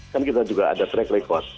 kan kita juga ada track record